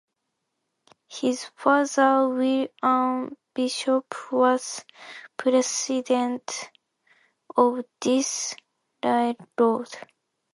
His father William Bishop was president of this railroad.